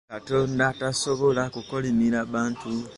Katonda tasobola kukolimira bantu.